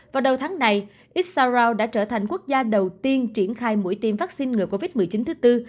vào đầu tháng này issaro đã trở thành quốc gia đầu tiên triển khai mũi tiêm vaccine ngừa covid một mươi chín thứ tư